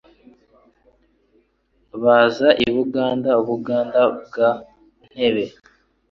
Baza i Buganda Buganda bwa Ntebe